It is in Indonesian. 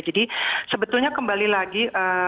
jadi sebetulnya kembali lagi